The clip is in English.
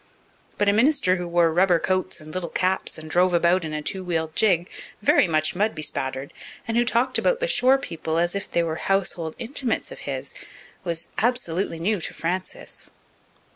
But a minister who wore rubber coats and little caps and drove about in a two wheeled gig, very much mud bespattered, and who talked about the shore people as if they were household intimates of his, was absolutely new to Frances.